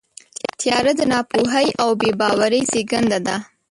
تیاره د ناپوهۍ او بېباورۍ زېږنده ده.